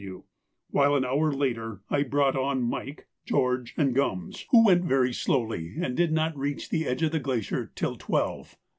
and W., while an hour later I brought on Mike, George, and Gums, who went very slowly and did not reach the edge of the glacier till twelve.